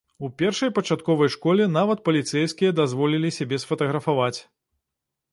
У першай пачатковай школе нават паліцэйскія дазволілі сябе сфатаграфаваць.